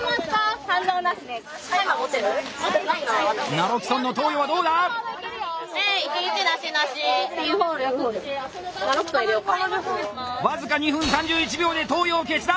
ナロキソンの投与はどうだ⁉僅か２分３１秒で投与を決断！